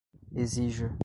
exija